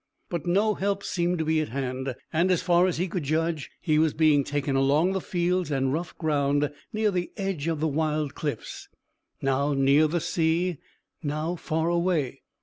But no help seemed to be at hand, and, as far as he could judge, he was being taken along the fields and rough ground near the edge of the wild cliffs, now near the sea, now far away.